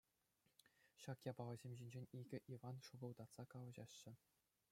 Ҫак япаласем ҫинчен икӗ Иван шӑкӑлтатса калаҫаҫҫӗ.